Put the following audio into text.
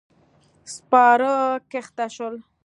سپاره کښته شول.